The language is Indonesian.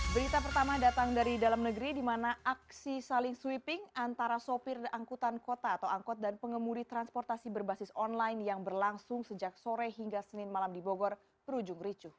berita pertama datang dari dalam negeri di mana aksi saling sweeping antara sopir angkutan kota atau angkot dan pengemudi transportasi berbasis online yang berlangsung sejak sore hingga senin malam di bogor berujung ricu